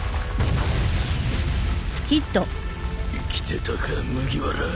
生きてたか麦わら。